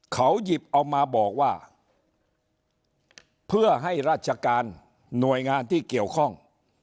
เขาหยิบเอามาบอกว่าเพื่อให้ราชการหน่วยงานที่เกี่ยวข้อง